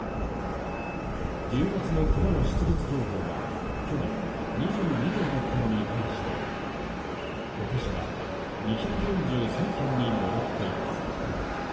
１０月のクマの出没情報は去年、２２件だったのに対して今年は２４３件に上っています。